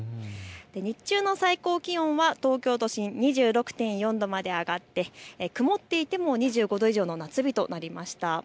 日中の最高気温は東京都心２６．４度まで上がって曇っていても２５度以上の夏日となりました。